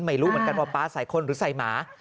ไม่รู้เหมือนกันว่าป๊าใส่คนหรือใส่หมา